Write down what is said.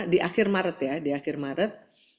di akhir maret ya di akhir maret